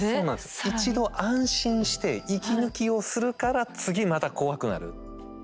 一度安心して息抜きをするから次また怖くなる。